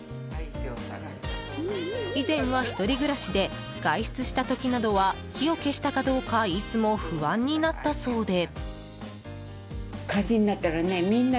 以前は１人暮らしで外出した時などは火を消したかどうかいつも不安になったそうで。